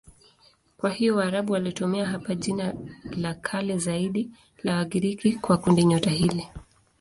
Kwa hiyo Waarabu walitumia hapa jina la kale zaidi la Wagiriki kwa kundinyota hili.